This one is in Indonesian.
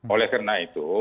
oleh karena itu